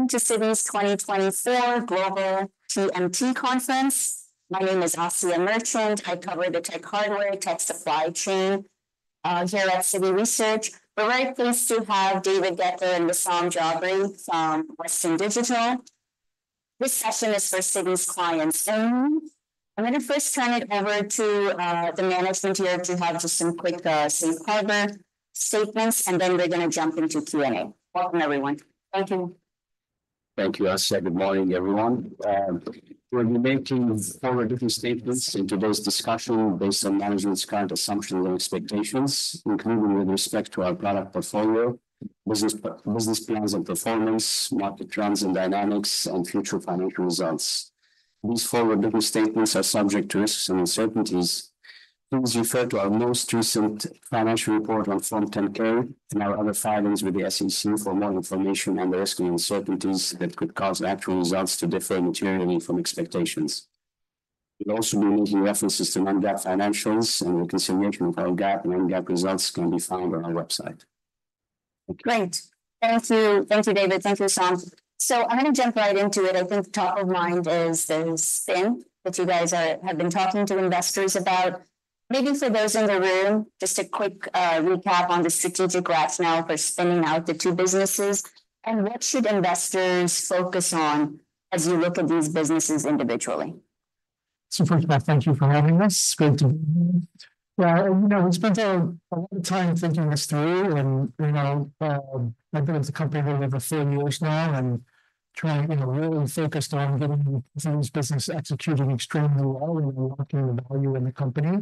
Welcome to Citi's 2024 Global TMT Conference. My name is Asiya Merchant. I cover the tech hardware, tech supply chain here at Citi Research. We're very pleased to have David Goeckeler and Wissam Jabre from Western Digital. This session is for Citi's clients only. I'm gonna first turn it over to the management here to have just some quick cover statements, and then we're gonna jump into Q&A. Welcome, everyone. Thank you. Thank you, Asiya. Good morning, everyone. We'll be making forward-looking statements in today's discussion based on management's current assumptions and expectations, including with respect to our product portfolio, business, business plans and performance, market trends and dynamics, and future financial results. These forward-looking statements are subject to risks and uncertainties. Please refer to our most recent financial report on Form 10-K and our other filings with the SEC for more information on the risks and uncertainties that could cause actual results to differ materially from expectations. We'll also be making references to non-GAAP financials, and the reconciliation of our GAAP and non-GAAP results can be found on our website. Great. Thank you. Thank you, David. Thank you, Wissam. So I'm gonna jump right into it. I think top of mind is the spin that you guys are, have been talking to investors about. Maybe for those in the room, just a quick recap on the strategic rationale for spinning out the two businesses, and what should investors focus on as you look at these businesses individually? So first of all, thank you for having us. It's great to be here. Well, you know, we spent a lot of time thinking this through, and, you know, I've been with the company a little over four years now and trying, you know, really focused on getting this business executing extremely well and unlocking the value in the company.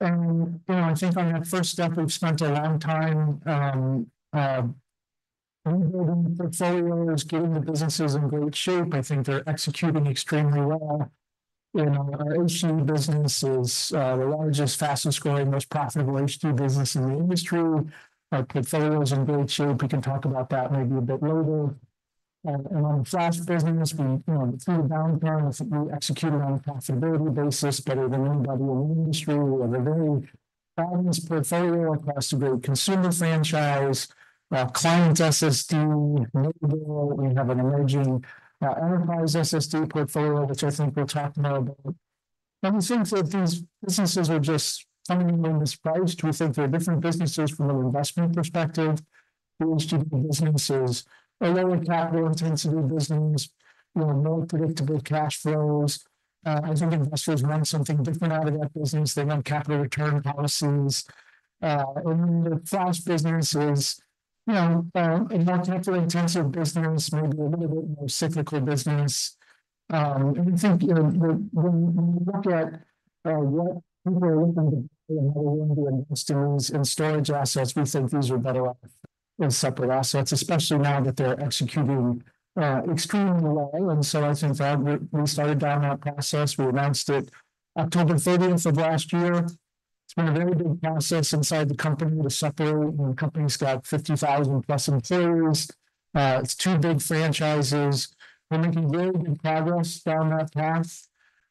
And, you know, I think on that first step, we've spent a long time building the portfolios, getting the businesses in great shape. I think they're executing extremely well. You know, our HDD business is the largest, fastest-growing, most profitable HDD business in the industry. Our portfolio is in great shape. We can talk about that maybe a bit later. And on the flash business, we, you know, through the downturn, we executed on a profitability basis better than anybody in the industry. We have a very balanced portfolio across a great consumer franchise, client SSD, NAND, and we have an emerging enterprise SSD portfolio, which I think we'll talk more about, and we think that these businesses are just fundamentally mispriced. We think they're different businesses from an investment perspective. The HDD business is a lower capital intensity business, you know, more predictable cash flows. I think investors want something different out of that business. They want capital return policies, and the flash business is, you know, a more capital-intensive business, maybe a little bit more cyclical business, and we think, you know, when you look at what investors are looking to do in storage assets, we think these are better off in separate assets, especially now that they're executing extremely well. I think that we started down that process. We announced it October thirteenth of last year. It's been a very big process inside the company to separate, and the company's got 50,000 plus employees. It's two big franchises. We're making very good progress down that path,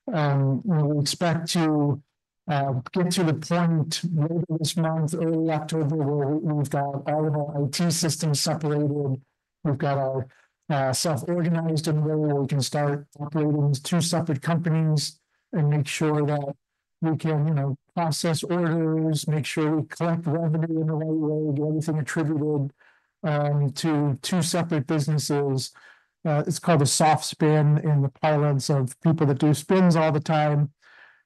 and we expect to get to the point later this month, early October, where we've got all of our IT systems separated. We've got ourselves organized, and where we can start operating as two separate companies and make sure that we can, you know, process orders, make sure we collect revenue in the right way, get everything attributed to two separate businesses. It's called a soft spin in the parlance of people that do spins all the time,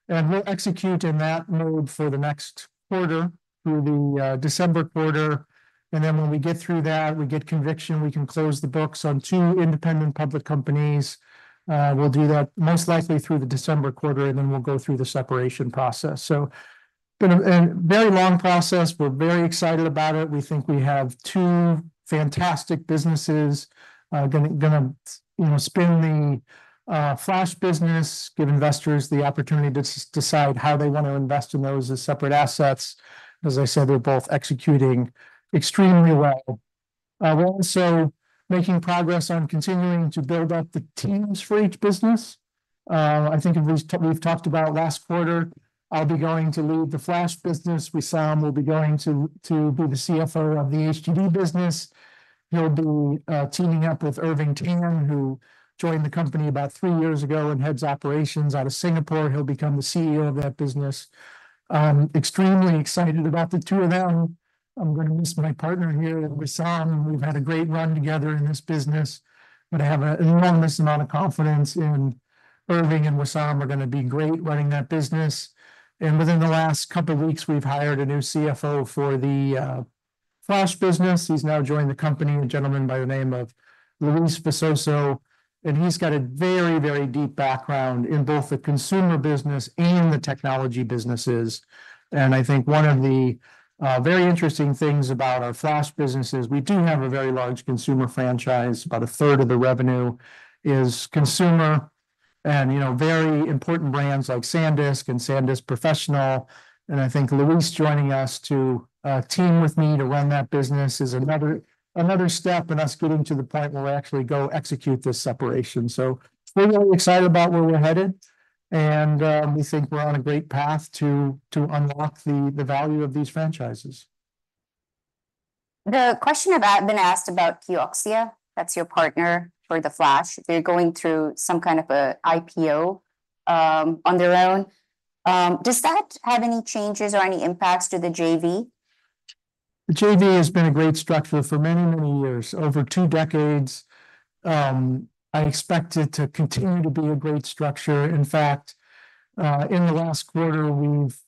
and we'll execute in that mode for the next quarter, through the December quarter. And then when we get through that, we get conviction, we can close the books on two independent public companies. We'll do that most likely through the December quarter, and then we'll go through the separation process. So, it's been a very long process. We're very excited about it. We think we have two fantastic businesses. Gonna, you know, spin the flash business, give investors the opportunity to decide how they want to invest in those as separate assets. As I said, they're both executing extremely well. We're also making progress on continuing to build out the teams for each business. I think as we've talked about last quarter, I'll be going to lead the flash business. Wissam will be going to be the CFO of the HDD business. He'll be teaming up with Irving Tan, who joined the company about three years ago and heads operations out of Singapore. He'll become the CEO of that business. I'm extremely excited about the two of them. I'm going to miss my partner here in Wissam, and we've had a great run together in this business, but I have an enormous amount of confidence in Irving and Wissam are gonna be great running that business, and within the last couple of weeks, we've hired a new CFO for the flash business. He's now joined the company, a gentleman by the name of Luis Bseiso, and he's got a very, very deep background in both the consumer business and the technology businesses, and I think one of the very interesting things about our flash business is we do have a very large consumer franchise. About a third of the revenue is consumer, and, you know, very important brands like SanDisk and SanDisk Professional. And I think Luis joining us to team with me to run that business is another step in us getting to the point where we actually go execute this separation. So we're really excited about where we're headed.... and, we think we're on a great path to unlock the value of these franchises. The question I've been asked about Kioxia, that's your partner for the flash. They're going through some kind of a IPO on their own. Does that have any changes or any impacts to the JV? The JV has been a great structure for many, many years, over two decades. I expect it to continue to be a great structure. In fact, in the last quarter, we've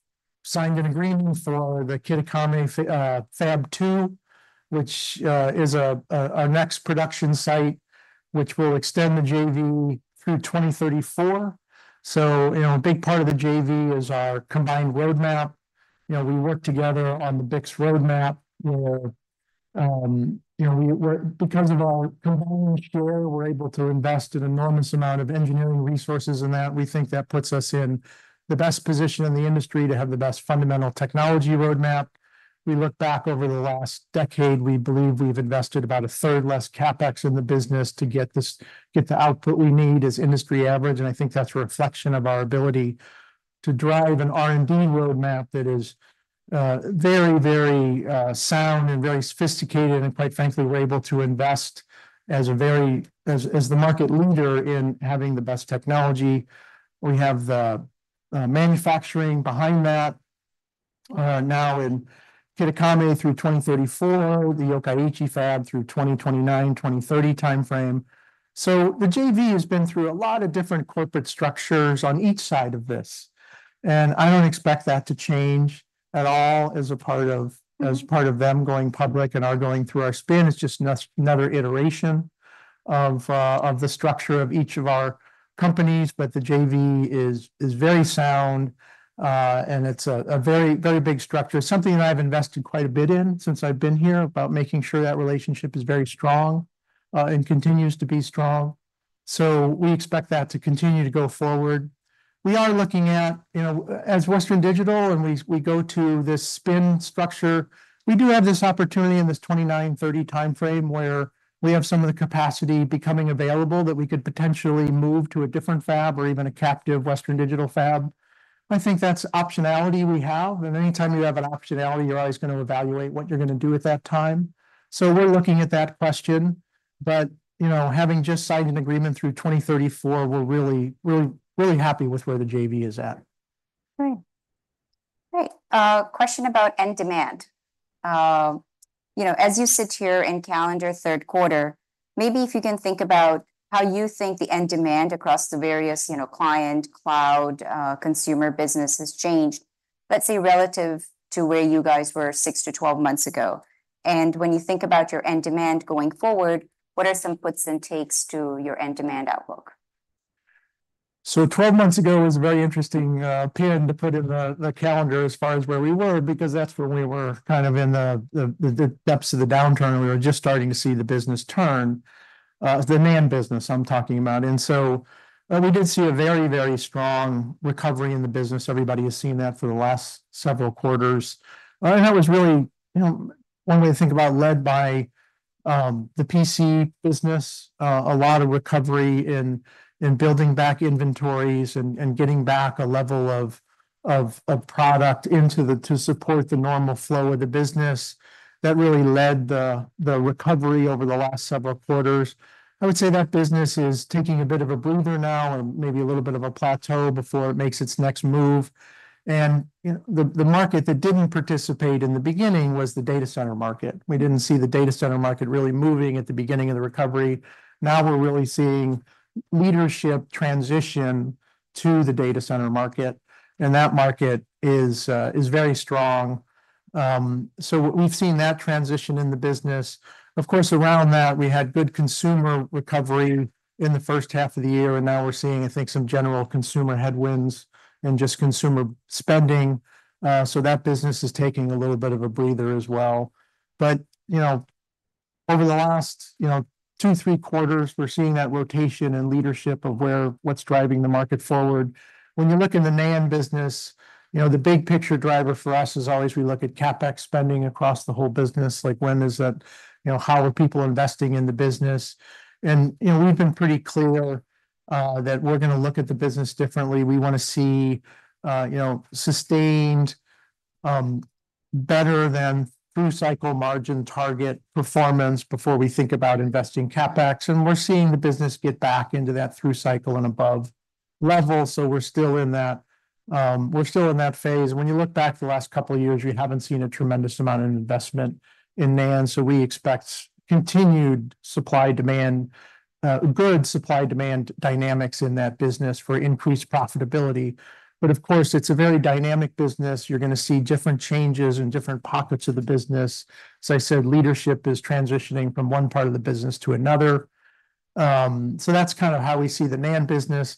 signed an agreement for the Kitakami Fab 2, which is our next production site, which will extend the JV through 2034. So, you know, a big part of the JV is our combined roadmap. You know, we work together on the BiCS roadmap, where, you know, we're, because of our combined share, we're able to invest an enormous amount of engineering resources in that. We think that puts us in the best position in the industry to have the best fundamental technology roadmap. We look back over the last decade. We believe we've invested about a third less CapEx in the business to get this, get the output we need as industry average, and I think that's a reflection of our ability to drive an R&D roadmap that is very, very sound and very sophisticated. Quite frankly, we're able to invest as the market leader in having the best technology. We have the manufacturing behind that now in Kitakami through 2034, the Yokkaichi fab through 2029, 2030 timeframe. The JV has been through a lot of different corporate structures on each side of this, and I don't expect that to change at all as a part of them going public and our going through our spin. It's just another iteration of the structure of each of our companies, but the JV is very sound, and it's a very, very big structure. Something that I've invested quite a bit in since I've been here, about making sure that relationship is very strong, and continues to be strong, so we expect that to continue to go forward. We are looking at, you know, as Western Digital, and we go to this spin structure, we do have this opportunity in this 2029, 2030 timeframe, where we have some of the capacity becoming available, that we could potentially move to a different fab or even a captive Western Digital fab. I think that's optionality we have, and anytime you have an optionality, you're always gonna evaluate what you're gonna do at that time. So we're looking at that question, but, you know, having just signed an agreement through 2034, we're really, really, really happy with where the JV is at. Great. Great. Question about end demand, you know, as you sit here in calendar third quarter, maybe if you can think about how you think the end demand across the various, you know, client, cloud, consumer business has changed, let's say, relative to where you guys were six-to-twelve months ago, and when you think about your end demand going forward, what are some puts and takes to your end demand outlook? So twelve months ago was a very interesting pin to put in the calendar as far as where we were, because that's where we were kind of in the depths of the downturn, and we were just starting to see the business turn. The NAND business I'm talking about. And so we did see a very, very strong recovery in the business. Everybody has seen that for the last several quarters. And that was really, you know, one way to think about, led by the PC business. A lot of recovery in building back inventories and getting back a level of product into to support the normal flow of the business. That really led the recovery over the last several quarters. I would say that business is taking a bit of a breather now, and maybe a little bit of a plateau before it makes its next move. And, you know, the market that didn't participate in the beginning was the data center market. We didn't see the data center market really moving at the beginning of the recovery. Now we're really seeing leadership transition to the data center market, and that market is very strong. So we've seen that transition in the business. Of course, around that, we had good consumer recovery in the first half of the year, and now we're seeing, I think, some general consumer headwinds and just consumer spending. So that business is taking a little bit of a breather as well. But, you know, over the last, you know, two, three quarters, we're seeing that rotation and leadership of where, what's driving the market forward. When you look in the NAND business, you know, the big picture driver for us is always we look at CapEx spending across the whole business. Like, when is that? You know, how are people investing in the business? And, you know, we've been pretty clear that we're gonna look at the business differently. We wanna see, you know, sustained, better than through cycle margin target performance before we think about investing CapEx. And we're seeing the business get back into that through cycle and above level. So we're still in that, we're still in that phase. When you look back the last couple of years, we haven't seen a tremendous amount of investment in NAND, so we expect continued supply-demand, good supply-demand dynamics in that business for increased profitability. But of course, it's a very dynamic business. You're gonna see different changes in different pockets of the business. So I said, leadership is transitioning from one part of the business to another. So that's kind of how we see the NAND business.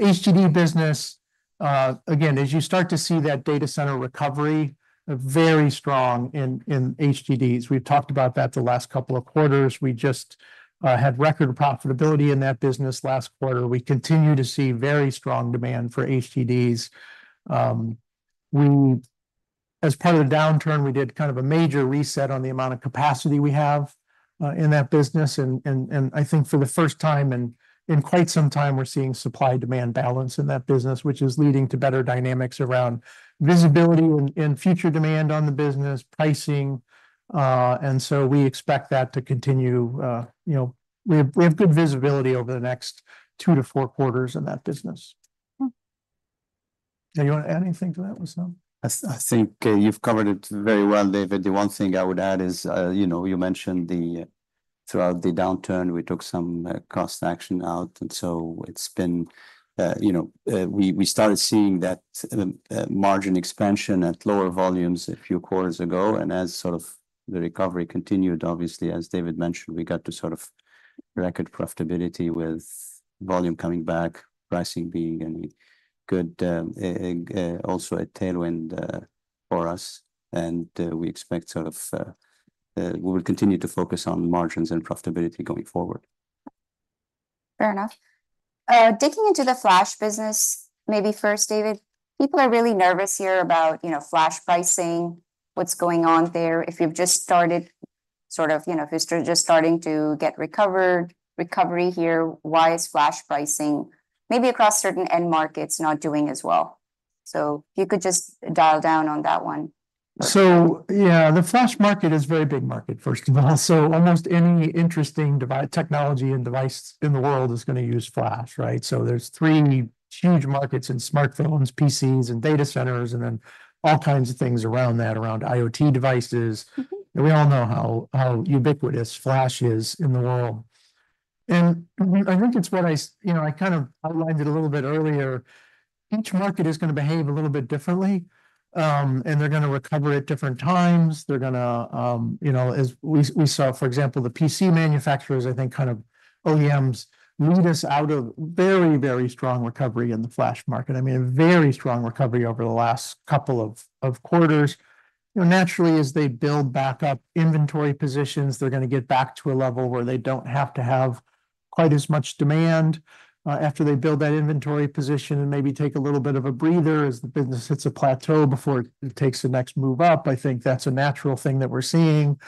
HDD business, again, as you start to see that data center recovery, very strong in HDDs. We've talked about that the last couple of quarters. We just had record profitability in that business last quarter. We continue to see very strong demand for HDDs. As part of the downturn, we did kind of a major reset on the amount of capacity we have in that business. I think for the first time in quite some time, we're seeing supply-demand balance in that business, which is leading to better dynamics around visibility and future demand on the business, pricing. So we expect that to continue. You know, we have good visibility over the next two-to-four quarters in that business. Do you want to add anything to that, Wissam? I think you've covered it very well, David. The one thing I would add is, you know, you mentioned throughout the downturn, we took some cost action out, and so it's been, you know, we started seeing that margin expansion at lower volumes a few quarters ago. And as sort of the recovery continued, obviously, as David mentioned, we got to sort of record profitability with volume coming back, pricing being in good, also a tailwind for us. And we expect sort of we will continue to focus on margins and profitability going forward. Fair enough. Digging into the flash business, maybe first, David, people are really nervous here about, you know, flash pricing. What's going on there? If you've just started sort of, you know, if you're just starting to get recovered here, why is flash pricing maybe across certain end markets not doing as well? So if you could just dial down on that one. Yeah, the flash market is a very big market, first of all. Almost any interesting technology and device in the world is going to use flash, right? There's three huge markets in smartphones, PCs, and data centers, and then all kinds of things around that, around IoT devices. Mm-hmm. We all know how ubiquitous flash is in the world. We, I think it's what you know, I kind of outlined it a little bit earlier. Each market is going to behave a little bit differently, and they're going to recover at different times. They're going to, you know, as we saw, for example, the PC manufacturers, I think kind of OEMs, lead us out of very, very strong recovery in the flash market. I mean, a very strong recovery over the last couple of quarters. You know, naturally, as they build back up inventory positions, they're going to get back to a level where they don't have to have quite as much demand after they build that inventory position and maybe take a little bit of a breather as the business hits a plateau before it takes the next move up. I think that's a natural thing that we're seeing.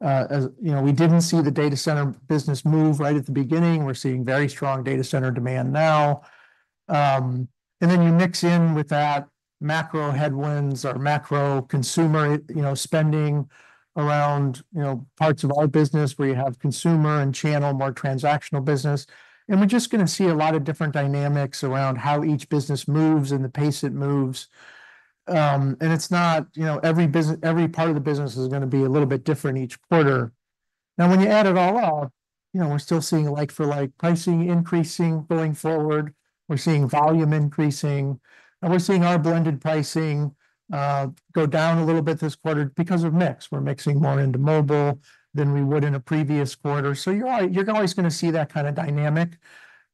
As you know, we didn't see the data center business move right at the beginning. We're seeing very strong data center demand now, and then you mix in with that macro headwinds or macro consumer, you know, spending around, you know, parts of our business where you have consumer and channel, more transactional business, and we're just going to see a lot of different dynamics around how each business moves and the pace it moves. And it's not, you know, every business, every part of the business is going to be a little bit different each quarter. Now, when you add it all up, you know, we're still seeing like-for-like pricing increasing going forward. We're seeing volume increasing, and we're seeing our blended pricing go down a little bit this quarter because of mix. We're mixing more into mobile than we would in a previous quarter. So you're always going to see that kind of dynamic.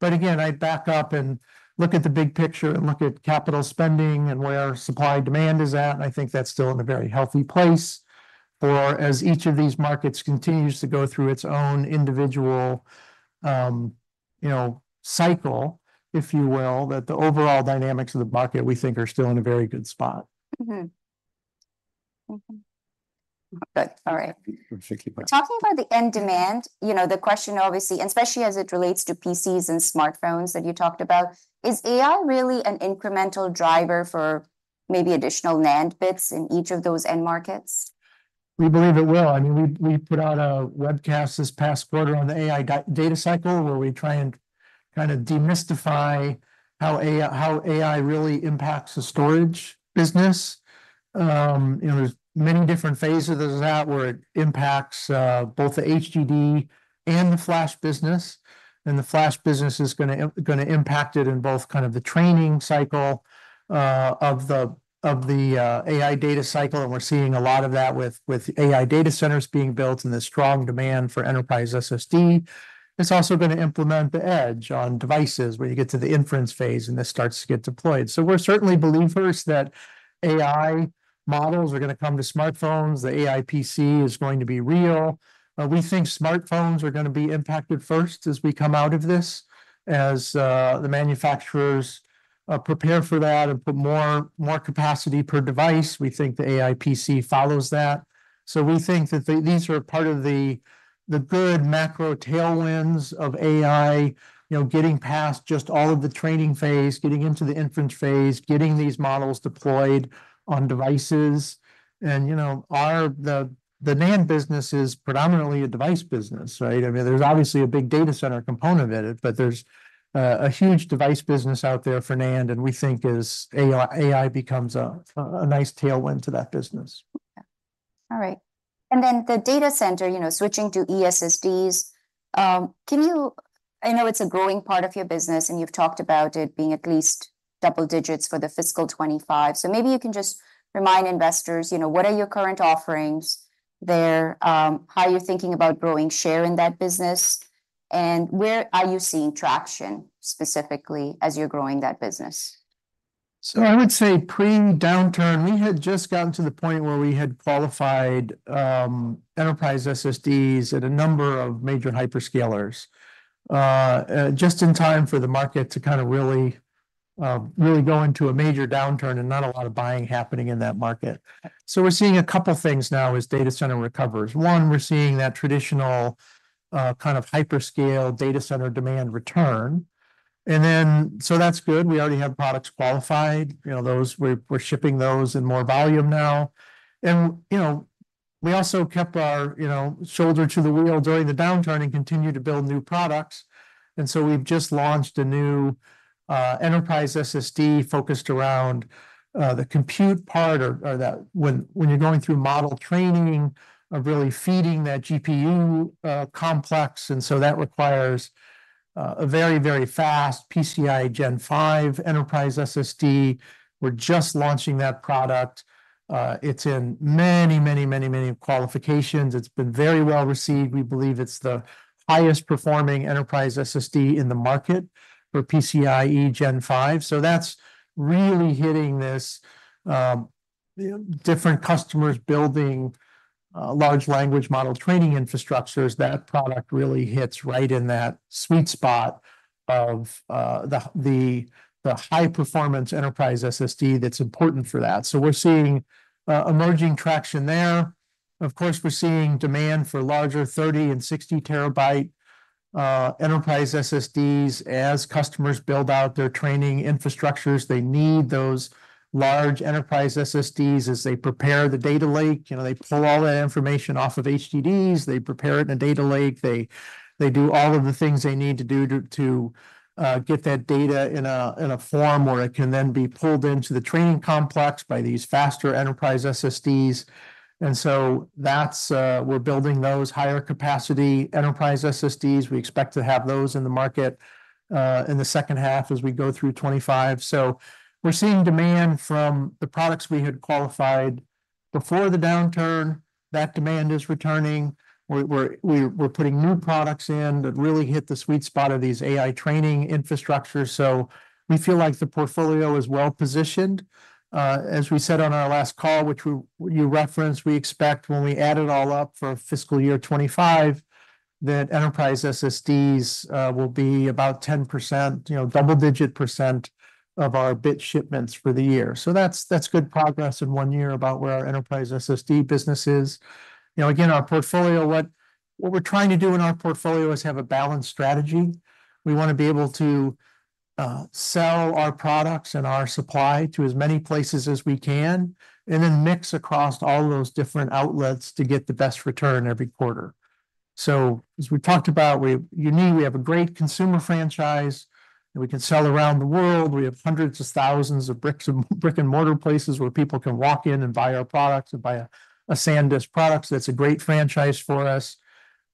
But again, I'd back up and look at the big picture and look at capital spending and where supply-demand is at, and I think that's still in a very healthy place. For as each of these markets continues to go through its own individual, you know, cycle, if you will, that the overall dynamics of the market, we think, are still in a very good spot. Mm-hmm. Mm-hmm. Good. All right. Talking about the end demand, you know, the question obviously, especially as it relates to PCs and smartphones that you talked about, is AI really an incremental driver for maybe additional NAND bits in each of those end markets? We believe it will. I mean, we, we put out a webcast this past quarter on the AI data cycle, where we try and kind of demystify how AI really impacts the storage business. You know, there's many different phases of that, where it impacts both the HDD and the flash business. And the flash business is gonna gonna impact it in both kind of the training cycle of the AI data cycle, and we're seeing a lot of that with AI data centers being built and the strong demand for enterprise SSD. It's also going to implement the edge on devices, where you get to the inference phase and this starts to get deployed. So we're certainly believers that AI models are going to come to smartphones. The AI PC is going to be real. We think smartphones are going to be impacted first as we come out of this. As the manufacturers prepare for that and put more capacity per device, we think the AI PC follows that. So we think that these are part of the good macro tailwinds of AI. You know, getting past just all of the training phase, getting into the inference phase, getting these models deployed on devices. And, you know, our NAND business is predominantly a device business, right? I mean, there's obviously a big data center component in it, but there's a huge device business out there for NAND, and we think as AI becomes a nice tailwind to that business. Yeah. All right. And then the data center, you know, switching to eSSDs, can you—I know it's a growing part of your business, and you've talked about it being at least double digits for the fiscal 2025. So maybe you can just remind investors, you know, what are your current offerings there, how are you thinking about growing share in that business, and where are you seeing traction specifically as you're growing that business? So I would say pre-downturn, we had just gotten to the point where we had qualified enterprise SSDs at a number of major hyperscalers just in time for the market to kind of really go into a major downturn and not a lot of buying happening in that market. So we're seeing a couple things now as data center recovers. One, we're seeing that traditional kind of hyperscale data center demand return. And then, so that's good. We already have products qualified. You know, those we're shipping those in more volume now. You know, we also kept our, you know, shoulder to the wheel during the downturn and continued to build new products, and so we've just launched a new enterprise SSD focused around the compute part or that when you're going through model training, of really feeding that GPU complex, and so that requires a very, very fast PCIe Gen 5 enterprise-class SSD. We're just launching that product. It's in many, many, many, many qualifications. It's been very well-received. We believe it's the highest-performing enterprise SSD in the market for PCIe Gen 5. So that's really hitting this different customers building large language model training infrastructures. That product really hits right in that sweet spot of the high-performance enterprise SSD that's important for that. So we're seeing emerging traction there. Of course, we're seeing demand for larger 30- and 60-terabyte enterprise SSDs. As customers build out their training infrastructures, they need those large enterprise SSDs as they prepare the data lake. You know, they pull all that information off of HDDs, they prepare it in a data lake, they do all of the things they need to do to get that data in a form where it can then be pulled into the training complex by these faster enterprise SSDs. And so that's we're building those higher capacity enterprise SSDs. We expect to have those in the market in the second half as we go through 2025. So we're seeing demand from the products we had qualified before the downturn. That demand is returning. We're putting new products in that really hit the sweet spot of these AI training infrastructures, so we feel like the portfolio is well-positioned. As we said on our last call, which you referenced, we expect when we add it all up for fiscal year 2025, that enterprise SSDs will be about 10%, you know, double-digit % of our bit shipments for the year. So that's good progress in one year about where our enterprise SSD business is. You know, again, our portfolio, what we're trying to do in our portfolio is have a balanced strategy. We wanna be able to sell our products and our supply to as many places as we can, and then mix across all those different outlets to get the best return every quarter. So as we talked about, you know, we have a great consumer franchise, and we can sell around the world. We have hundreds of thousands of brick-and-mortar places where people can walk in and buy our products and buy SanDisk products. That's a great franchise for us.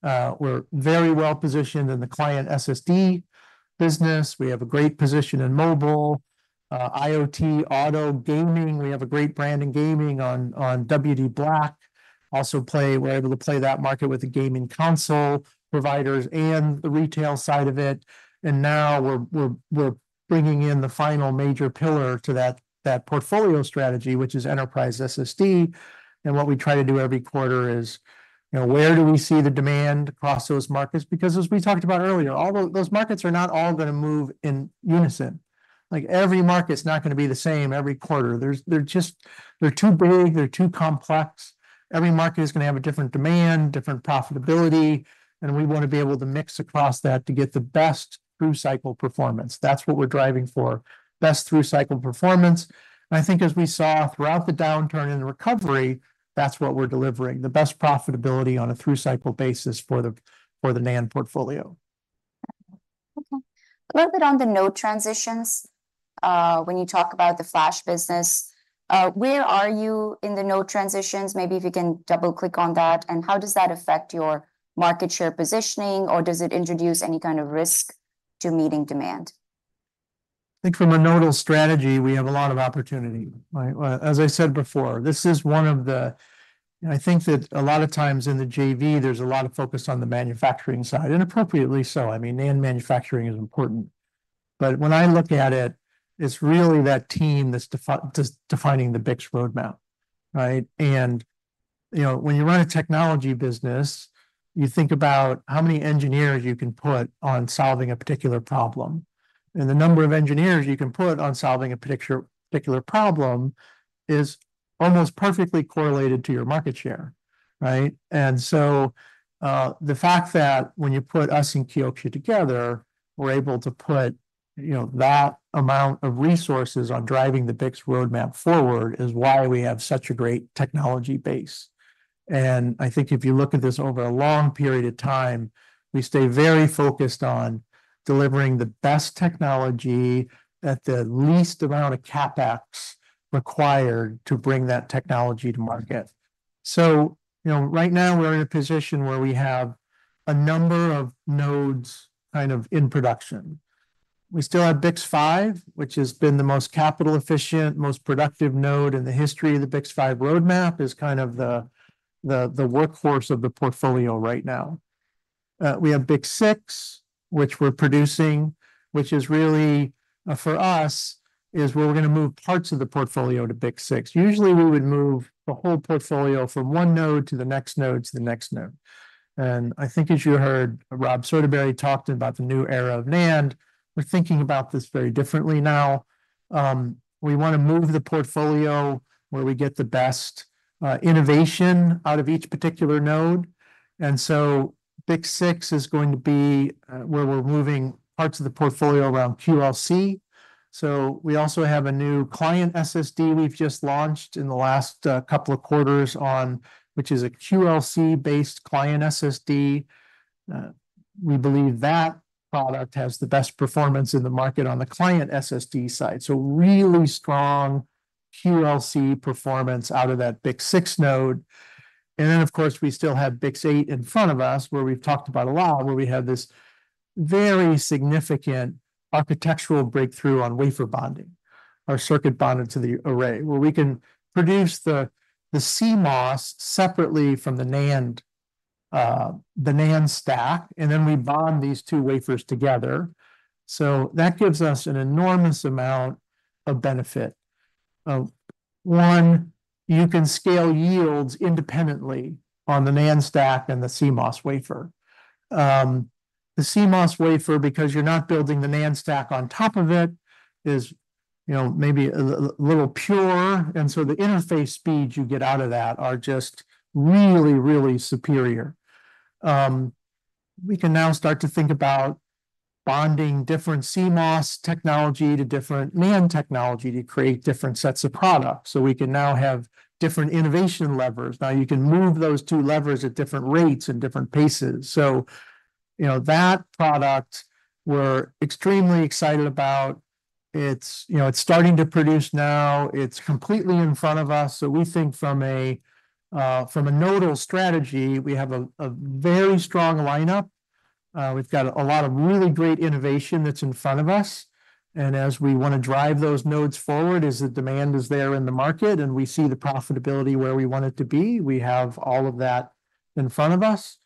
We're very well-positioned in the client SSD business. We have a great position in mobile, IoT, auto, gaming. We have a great brand in gaming on WD Black. Also we're able to play that market with the gaming console providers and the retail side of it, and now we're bringing in the final major pillar to that portfolio strategy, which is enterprise SSD. And what we try to do every quarter is, you know, where do we see the demand across those markets? Because as we talked about earlier, all those markets are not all gonna move in unison. Like, every market's not gonna be the same every quarter. They're just too big, they're too complex. Every market is gonna have a different demand, different profitability, and we wanna be able to mix across that to get the best through-cycle performance. That's what we're driving for, best through-cycle performance. And I think as we saw throughout the downturn and the recovery, that's what we're delivering, the best profitability on a through-cycle basis for the NAND portfolio. Okay. A little bit on the node transitions, when you talk about the flash business. Where are you in the node transitions? Maybe if you can double-click on that, and how does that affect your market share positioning, or does it introduce any kind of risk to meeting demand? I think from a nodal strategy, we have a lot of opportunity, right? As I said before, this is one of the, and I think that a lot of times in the JV, there's a lot of focus on the manufacturing side, and appropriately so. I mean, NAND manufacturing is important. But when I look at it, it's really that team that's defining the bits roadmap, right? And, you know, when you run a technology business, you think about how many engineers you can put on solving a particular problem, and the number of engineers you can put on solving a particular problem is almost perfectly correlated to your market share, right? The fact that when you put us and Kioxia together, we're able to put, you know, that amount of resources on driving the BiCS roadmap forward, is why we have such a great technology base. I think if you look at this over a long period of time, we stay very focused on delivering the best technology at the least amount of CapEx required to bring that technology to market. Right now, we're in a position where we have a number of nodes kind of in production. We still have BiCS5, which has been the most capital efficient, most productive node in the history of the BiCS5 roadmap, is kind of the workhorse of the portfolio right now. We have BiCS6, which we're producing, which is really, for us, is where we're gonna move parts of the portfolio to BiCS6. Usually, we would move the whole portfolio from one node to the next node, to the next node. I think as you heard, Rob Soderbery talked about the new era of NAND. We're thinking about this very differently now. We wanna move the portfolio where we get the best innovation out of each particular node. So BiCS6 is going to be where we're moving parts of the portfolio around QLC. We also have a new client SSD we've just launched in the last couple of quarters on which is a QLC-based client SSD. We believe that product has the best performance in the market on the client SSD side. Really strong QLC performance out of that BiCS6 node. Then, of course, we still have BiCS8 in front of us, where we've talked about a lot, where we have this very significant architectural breakthrough on wafer bonding, or circuit bonding to the array, where we can produce the CMOS separately from the NAND, the NAND stack, and then we bond these two wafers together. That gives us an enormous amount of benefit. One, you can scale yields independently on the NAND stack and the CMOS wafer. The CMOS wafer, because you're not building the NAND stack on top of it, is, you know, maybe a little pure, and so the interface speeds you get out of that are just really, really superior. We can now start to think about bonding different CMOS technology to different NAND technology to create different sets of products. So we can now have different innovation levers. Now, you can move those two levers at different rates and different paces. So, you know, that product, we're extremely excited about. It's, you know, it's starting to produce now. It's completely in front of us, so we think from a nodal strategy, we have a very strong lineup. We've got a lot of really great innovation that's in front of us, and as we wanna drive those nodes forward, is the demand is there in the market, and we see the profitability where we want it to be. We have all of that in front of us.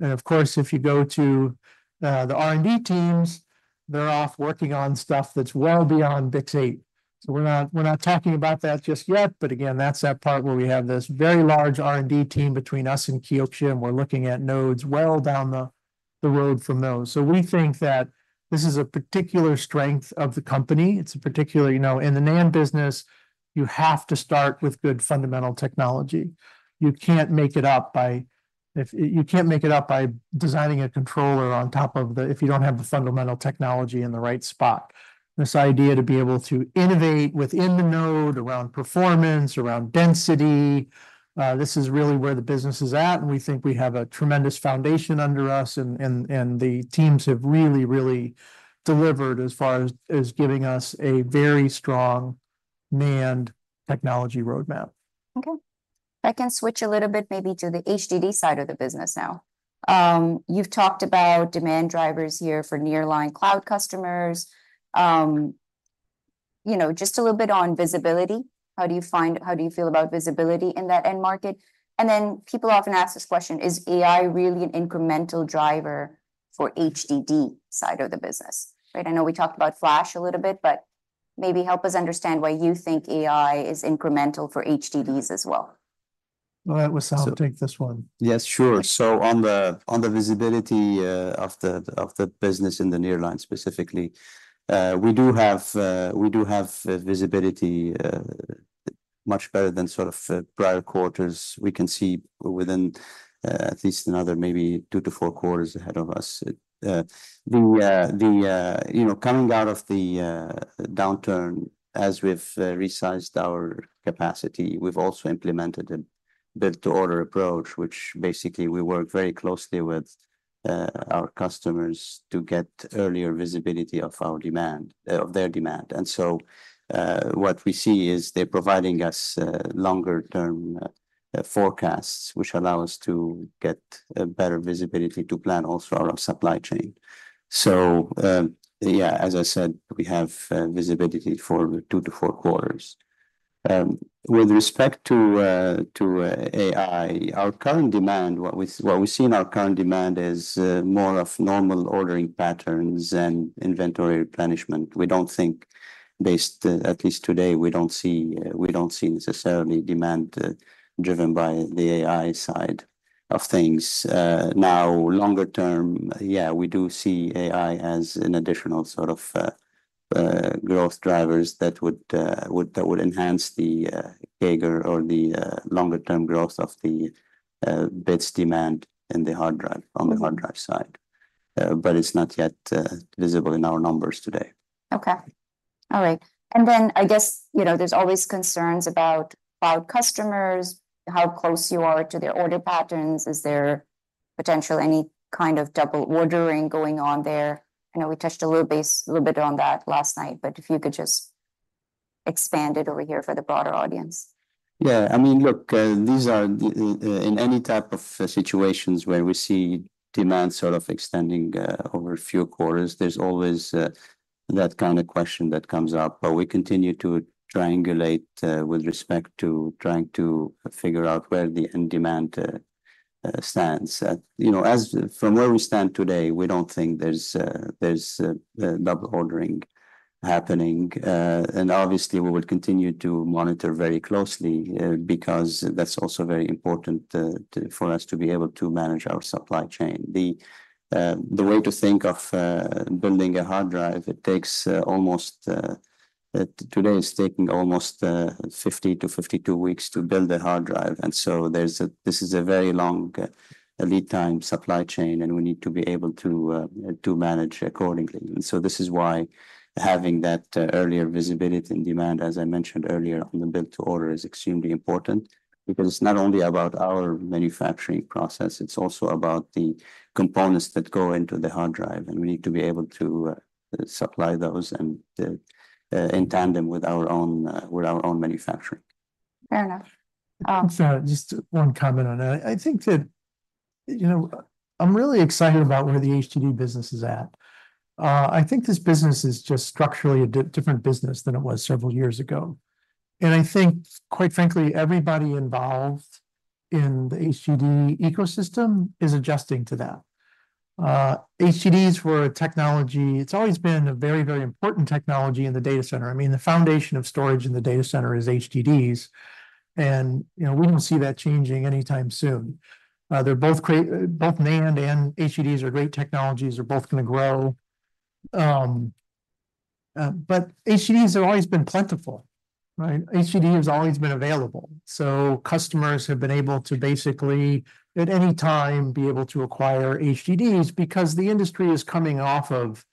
Of course, if you go to the R&D teams, they're off working on stuff that's well beyond BiCS8. We're not talking about that just yet, but again, that's that part where we have this very large R&D team between us and Kioxia, and we're looking at nodes well down the road from those. We think that this is a particular strength of the company. It's a particular... You know, in the NAND business, you have to start with good fundamental technology. You can't make it up by designing a controller on top of the if you don't have the fundamental technology in the right spot. This idea to be able to innovate within the node, around performance, around density. This is really where the business is at, and we think we have a tremendous foundation under us, and the teams have really, really delivered as far as giving us a very strong NAND technology roadmap. Okay. If I can switch a little bit maybe to the HDD side of the business now. You've talked about demand drivers here for nearline cloud customers. You know, just a little bit on visibility, how do you feel about visibility in that end market? And then people often ask this question: Does AI really an incremental driver for HDD side of the business, right? I know we talked about flash a little bit, but maybe help us understand why you think AI is incremental for HDDs as well. Wissam, take this one. Yes, sure. So on the visibility of the business in the nearline specifically, we do have visibility much better than sort of prior quarters. We can see within at least another maybe two to four quarters ahead of us. You know, coming out of the downturn, as we've resized our capacity, we've also implemented a build-to-order approach, which basically we work very closely with our customers to get earlier visibility of our demand, of their demand. And so, what we see is they're providing us longer term forecasts, which allow us to get better visibility to plan also our supply chain. So, yeah, as I said, we have visibility for two to four quarters. With respect to AI, our current demand, what we see in our current demand is more of normal ordering patterns and inventory replenishment. We don't think, based at least today, we don't see necessarily demand driven by the AI side of things. Now, longer term, yeah, we do see AI as an additional sort of growth drivers that would enhance the CAGR or the longer term growth of the bits demand in the hard drive, on the hard drive side. But it's not yet visible in our numbers today. Okay. All right. And then I guess, you know, there's always concerns about cloud customers, how close you are to their order patterns. Is there potentially any kind of double ordering going on there? I know we touched a little base, a little bit on that last night, but if you could just expand it over here for the broader audience. Yeah, I mean, look, these are the, in any type of situations where we see demand sort of extending over a few quarters, there's always that kind of question that comes up, but we continue to triangulate with respect to trying to figure out where the end demand stands. You know, from where we stand today, we don't think there's double ordering happening. And obviously we will continue to monitor very closely, because that's also very important for us to be able to manage our supply chain. The way to think of building a hard drive, it takes almost... Today, it's taking almost 50-52 weeks to build a hard drive, and so this is a very long lead time supply chain, and we need to be able to manage accordingly, and so this is why having that earlier visibility and demand, as I mentioned earlier, on the build-to-order is extremely important, because it's not only about our manufacturing process, it's also about the components that go into the hard drive, and we need to be able to supply those, and in tandem with our own manufacturing. Fair enough. Sorry, just one comment on that. I think that, you know, I'm really excited about where the HDD business is at. I think this business is just structurally a different business than it was several years ago, and I think, quite frankly, everybody involved in the HDD ecosystem is adjusting to that. HDDs were a technology. It's always been a very, very important technology in the data center. I mean, the foundation of storage in the data center is HDDs, and, you know, we don't see that changing anytime soon. They're both NAND and HDDs are great technologies, they're both gonna grow, but HDDs have always been plentiful, right? HDD has always been available, so customers have been able to basically, at any time, be able to acquire HDDs because the industry is coming off of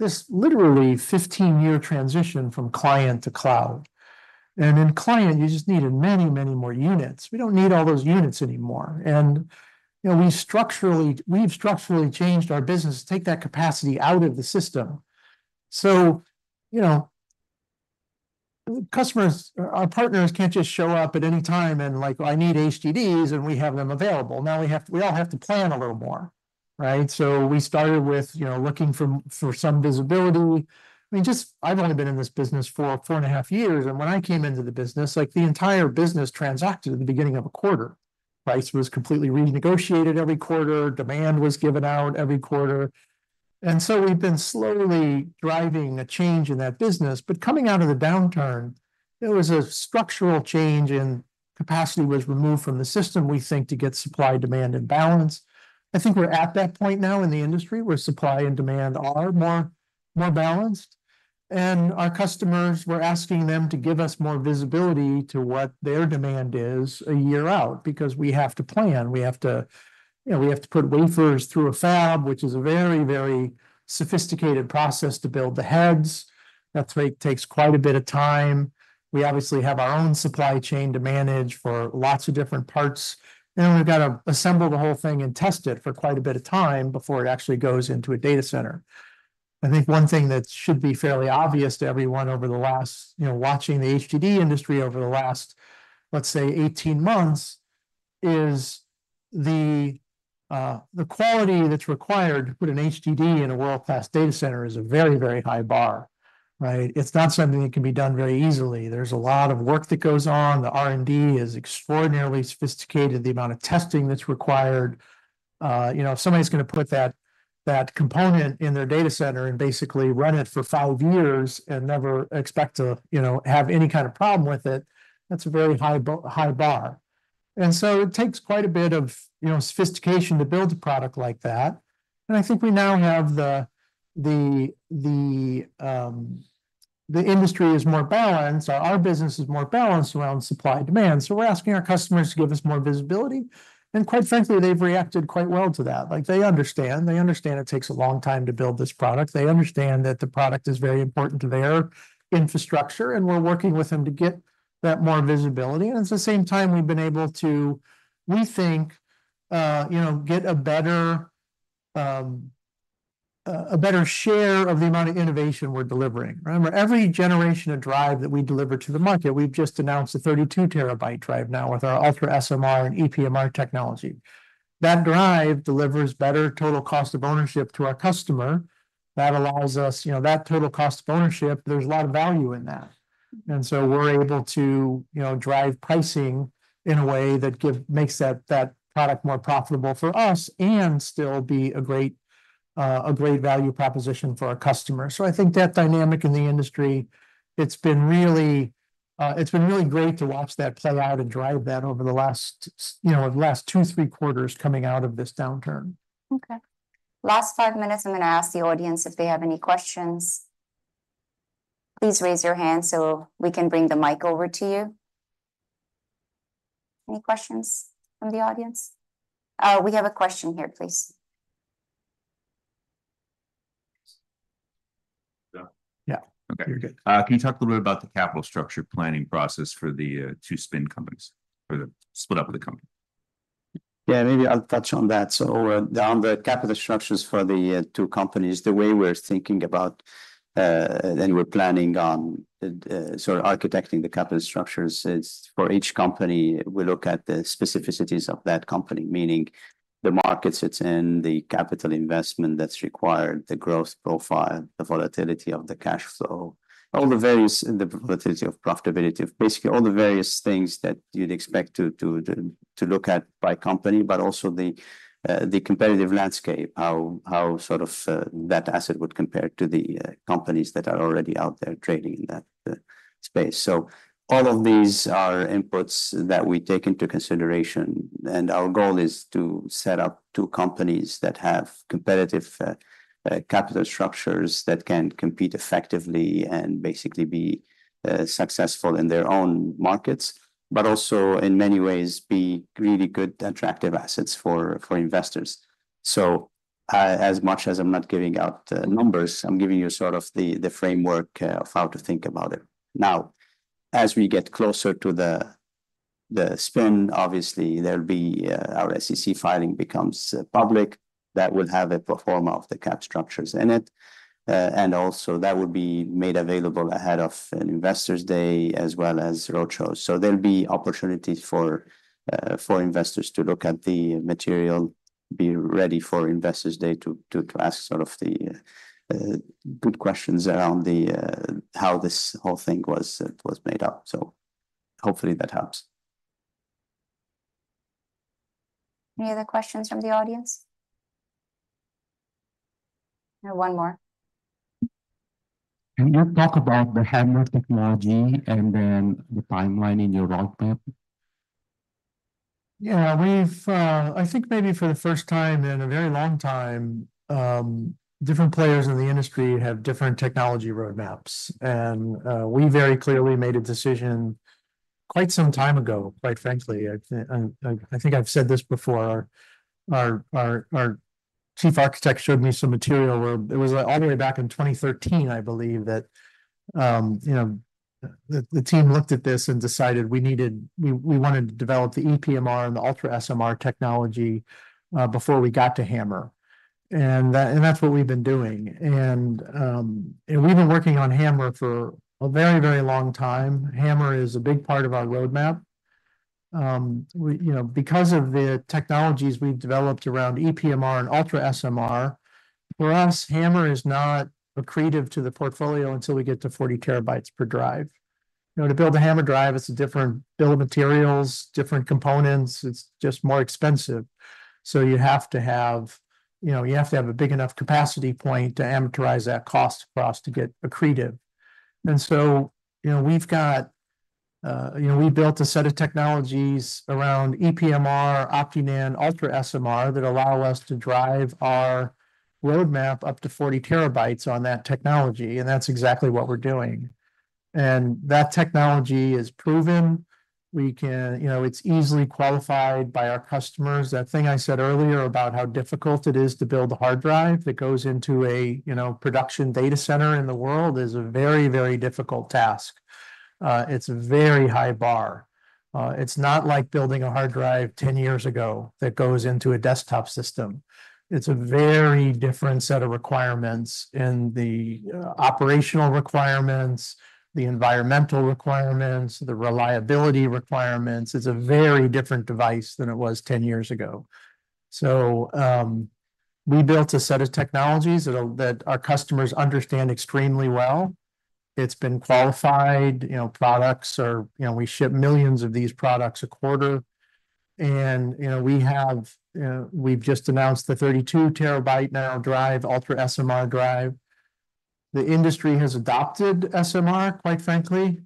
this literally 15-year transition from client to cloud. And in client, you just needed many, many more units. We don't need all those units anymore. And, you know, we've structurally changed our business to take that capacity out of the system. So, you know, customers, our partners can't just show up at any time and like, "Well, I need HDDs," and we have them available. Now, we all have to plan a little more, right? So we started with, you know, looking for some visibility. I mean, just, I've only been in this business for four and a half years, and when I came into the business, like, the entire business transacted at the beginning of a quarter. Price was completely renegotiated every quarter, demand was given out every quarter, and so we've been slowly driving a change in that business, but coming out of the downturn, there was a structural change, and capacity was removed from the system, we think, to get supply-demand in balance. I think we're at that point now in the industry, where supply and demand are more, more balanced, and our customers, we're asking them to give us more visibility to what their demand is a year out, because we have to plan. We have to, you know, we have to put wafers through a fab, which is a very, very sophisticated process to build the heads. That's why it takes quite a bit of time. We obviously have our own supply chain to manage for lots of different parts, and we've got to assemble the whole thing and test it for quite a bit of time before it actually goes into a data center. I think one thing that should be fairly obvious to everyone over the last... You know, watching the HDD industry over the last, let's say, 18 months, is the quality that's required to put an HDD in a world-class data center is a very, very high bar, right? It's not something that can be done very easily. There's a lot of work that goes on. The R&D is extraordinarily sophisticated, the amount of testing that's required. You know, if somebody's gonna put that component in their data center and basically run it for five years and never expect to, you know, have any kind of problem with it, that's a very high bar, high bar. And so it takes quite a bit of, you know, sophistication to build a product like that. And I think we now have the industry is more balanced, our business is more balanced around supply and demand. So we're asking our customers to give us more visibility, and quite frankly, they've reacted quite well to that. Like, they understand. They understand it takes a long time to build this product. They understand that the product is very important to their infrastructure, and we're working with them to get that more visibility. And at the same time, we've been able to, we think, you know, get a better share of the amount of innovation we're delivering. Remember, every generation of drive that we deliver to the market, we've just announced a 32-terabyte drive now with our UltraSMR and ePMR technology. That drive delivers better total cost of ownership to our customer. That allows us. You know, that total cost of ownership, there's a lot of value in that. And so we're able to, you know, drive pricing in a way that makes that product more profitable for us, and still be a great value proposition for our customers. So I think that dynamic in the industry, it's been really, it's been really great to watch that play out and drive that over the last, you know, last two, three quarters coming out of this downturn. Okay. Last five minutes, I'm gonna ask the audience if they have any questions. Please raise your hand so we can bring the mic over to you. Any questions from the audience? We have a question here, please. Yeah. Yeah. Okay. You're good. Can you talk a little bit about the capital structure planning process for the two spin companies, or the split up of the company? Yeah, maybe I'll touch on that. So, on the capital structures for the two companies, the way we're thinking about, and we're planning on, sort of architecting the capital structures is for each company, we look at the specificities of that company, meaning the markets it's in, the capital investment that's required, the growth profile, the volatility of the cash flow. All the various, and the volatility of profitability, of basically all the various things that you'd expect to look at by company, but also the competitive landscape, how sort of that asset would compare to the companies that are already out there trading in that space. So all of these are inputs that we take into consideration, and our goal is to set up two companies that have competitive capital structures that can compete effectively and basically be successful in their own markets, but also, in many ways, be really good, attractive assets for for investors. So, as much as I'm not giving out numbers, I'm giving you sort of the framework of how to think about it. Now, as we get closer to the spin, obviously, there'll be our SEC filing becomes public. That will have a pro forma of the cap structures in it. And also that would be made available ahead of an investors day as well as roadshows. So there'll be opportunities for investors to look at the material, be ready for investors day to ask sort of the good questions around the how this whole thing was made up. So hopefully that helps. Any other questions from the audience? One more. Can you talk about the HAMR technology and then the timeline in your roadmap? Yeah. We've, I think maybe for the first time in a very long time, different players in the industry have different technology roadmaps, and, we very clearly made a decision quite some time ago, quite frankly. And I think I've said this before, our chief architect showed me some material where it was all the way back in 2013, I believe, that, you know, the team looked at this and decided we wanted to develop the ePMR and the UltraSMR technology, before we got to HAMR, and that's what we've been doing. And we've been working on HAMR for a very, very long time. HAMR is a big part of our roadmap. We, you know, because of the technologies we've developed around ePMR and UltraSMR, for us, HAMR is not accretive to the portfolio until we get to forty terabytes per drive. You know, to build a HAMR drive, it's a different bill of materials, different components. It's just more expensive. So you have to have, you know, you have to have a big enough capacity point to amortize that cost for us to get accretive. And so, you know, we've got, you know, we built a set of technologies around ePMR, OptiNAND, UltraSMR, that allow us to drive our roadmap up to forty terabytes on that technology, and that's exactly what we're doing. And that technology is proven. You know, it's easily qualified by our customers. That thing I said earlier about how difficult it is to build a hard drive that goes into a, you know, production data center in the world is a very, very difficult task. It's a very high bar. It's not like building a hard drive ten years ago that goes into a desktop system. It's a very different set of requirements in the operational requirements, the environmental requirements, the reliability requirements. It's a very different device than it was ten years ago. So, we built a set of technologies that'll our customers understand extremely well. It's been qualified. You know, products are. You know, we ship millions of these products a quarter, and, you know, we've just announced the 32-terabyte new drive, UltraSMR drive. The industry has adopted SMR, quite frankly.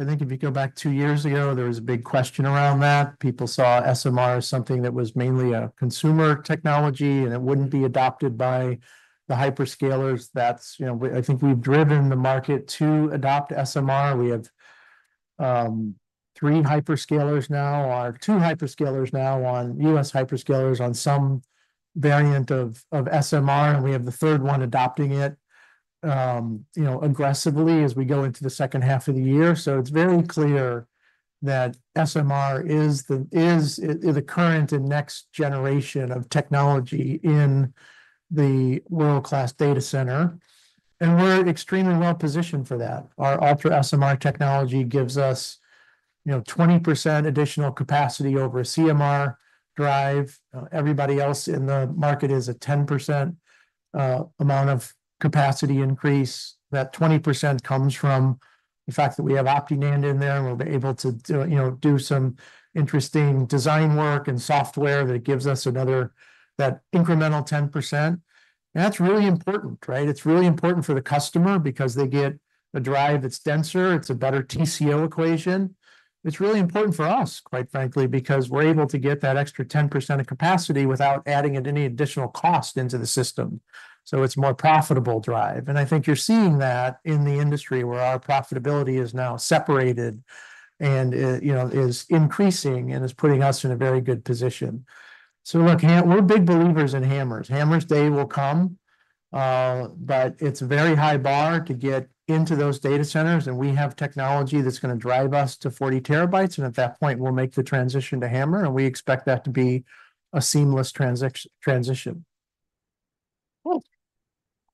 I think if you go back two years ago, there was a big question around that. People saw SMR as something that was mainly a consumer technology, and it wouldn't be adopted by the hyperscalers. That's, you know, I think we've driven the market to adopt SMR. We have three hyperscalers now, or two hyperscalers now on US hyperscalers on some variant of SMR, and we have the third one adopting it, you know, aggressively as we go into the second half of the year. So it's very clear that SMR is the current and next generation of technology in the world-class data center, and we're extremely well positioned for that. Our UltraSMR technology gives us, you know, 20% additional capacity over a CMR drive. Everybody else in the market is a 10% amount of capacity increase. That 20% comes from the fact that we have OptiNAND in there, and we'll be able to do, you know, do some interesting design work and software that gives us another, that incremental 10%. And that's really important, right? It's really important for the customer because they get a drive that's denser. It's a better TCO equation. It's really important for us, quite frankly, because we're able to get that extra 10% of capacity without adding any additional cost into the system, so it's a more profitable drive. And I think you're seeing that in the industry, where our profitability is now separated and, you know, is increasing and is putting us in a very good position. Look, we're big believers in HAMRs. HAMRs, they will come, but it's a very high bar to get into those data centers, and we have technology that's gonna drive us to forty terabytes, and at that point, we'll make the transition to HAMR, and we expect that to be a seamless transition. Cool.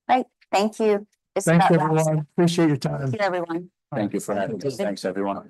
Great. Thank you. It's- Thank you, everyone. Appreciate your time. Thank you, everyone. Thank you for having me. Thanks, everyone.